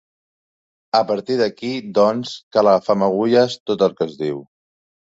A partir d’aquí, doncs, cal agafar amb agulles tot el que es diu.